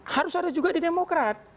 harus ada juga di demokrat